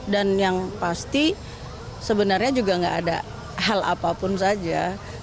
dan yang pasti sebenarnya juga gak ada hal apapun saja